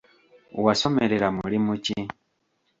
Wasomerera mulimu ki?